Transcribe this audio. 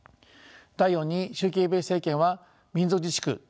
第４に習近平政権は民族自治区